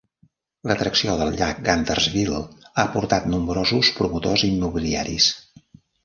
L'atracció del llac Guntersville ha portat nombrosos promotors immobiliaris.